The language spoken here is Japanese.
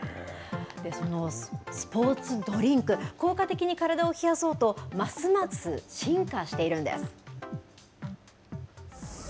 そのスポーツドリンク、効果的に体を冷やそうと、ますます進化しているんです。